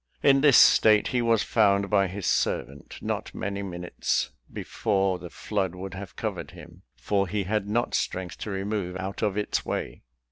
In this state he was found by his servant, not many minutes before the flood would have covered him, for he had not strength to remove out of its way.